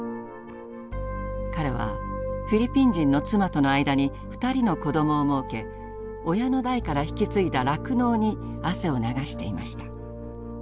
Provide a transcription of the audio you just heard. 彼はフィリピン人の妻との間に２人の子どもをもうけ親の代から引き継いだ酪農に汗を流していました。